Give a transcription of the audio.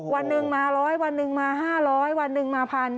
วันหนึ่งมา๑๐๐วันหนึ่งมา๕๐๐วันหนึ่งมา๑๐๐